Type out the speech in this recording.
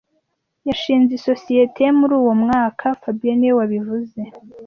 Yashinze isosiyete ye muri uwo mwaka fabien niwe wabivuze